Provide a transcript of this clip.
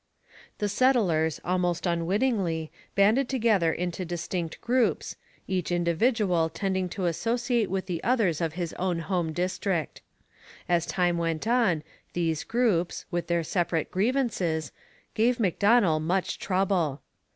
The settlers, almost unwittingly, banded together into distinct groups, each individual tending to associate with the others from his own home district. As time went on these groups, with their separate grievances, gave Macdonell much trouble.